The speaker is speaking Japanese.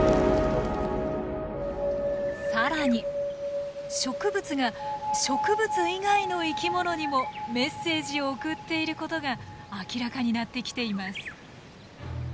更に植物が植物以外の生き物にもメッセージを送っていることが明らかになってきています。